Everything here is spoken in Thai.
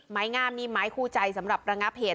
ไม้งามนี่ไม้คู่ใจสำหรับระงับเหตุ